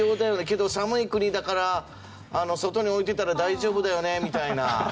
けど寒い国だから外に置いてたら大丈夫だよねみたいな。